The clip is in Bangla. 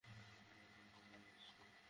তোমার ডিম খাওয়া উচিত।